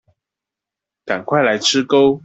趕快來吃鉤